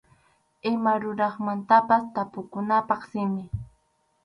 Ima ruraqmantapas tapukunapaq simi.